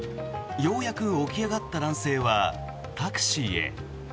ようやく起き上がった男性はタクシーへ。